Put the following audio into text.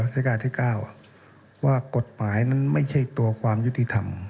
ราชการที่๙ว่ากฎหมายนั้นไม่ใช่ตัวความยุติธรรม